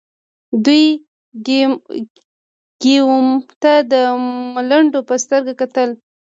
دوی ګیوم ته د ملنډو په سترګه کتل.